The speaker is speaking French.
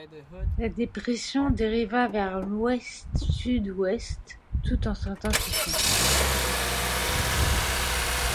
La dépression dériva vers l’ouest-sud-ouest tout en s’intensifiant.